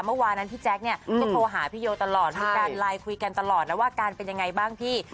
เมื่อวานนั้นพี่แจ๊คเนี่ยก็โทรหาพี่โยตลอดมีการไลน์คุยกันตลอดนะว่าอาการเป็นยังไงบ้างพี่